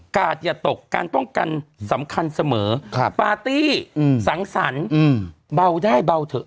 อย่าตกการป้องกันสำคัญเสมอปาร์ตี้สังสรรค์เบาได้เบาเถอะ